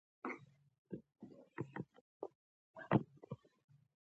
هغه پوښتنه وکړه چې ایا ته همداسې پیدا شوی وې